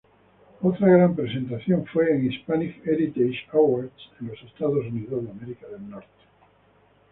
Otra gran presentación fue en 'Hispanic Heritage Awards en Estados Unidos.